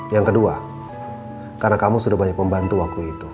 yang kedua karena kamu sudah banyak membantu waktu itu